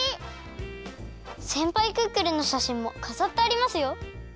せんぱいクックルンのしゃしんもかざってありますよ！